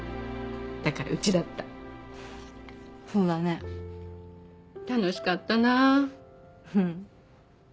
だからうちだったそうだね楽しかったなうん